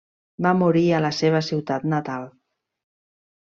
Va morir a la seva ciutat natal.